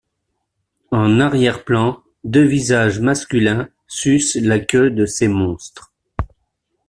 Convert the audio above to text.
En arrière-plan, deux visages masculins sucent la queue de ces monstres.